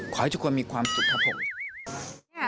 ขอให้ทุกคนมีความสุขครับผม